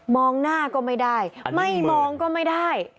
หน้าก็ไม่ได้ไม่มองก็ไม่ได้